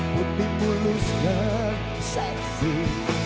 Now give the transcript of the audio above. putih molos dan